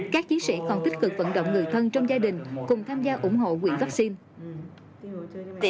các chiến sĩ còn tích cực vận động người thân trong gia đình cùng tham gia ủng hộ nguyện vaccine